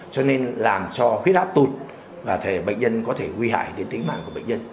cho nên làm cho huyết áp tụt và bệnh nhân có thể nguy hại đến tính mạng của bệnh nhân